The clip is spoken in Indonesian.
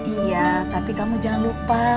iya tapi kamu jangan lupa